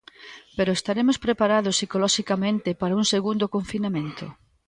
Pero estaremos preparados psicoloxicamente para un segundo confinamento?